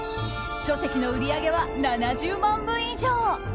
書籍の売り上げは７０万部以上。